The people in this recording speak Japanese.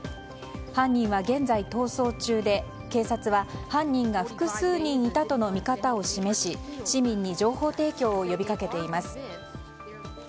犯人は現在、逃走中で警察は、犯人が複数人いたとの見方を示し市民に情報提供を呼びかけています。